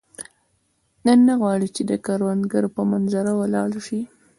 دی نه غواړي چې د کروندګرو په منظره ولاړ شي.